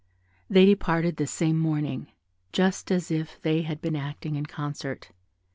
They departed the same morning, just as if they had been acting in concert.